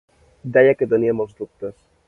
Deia que tenia molts dubtes.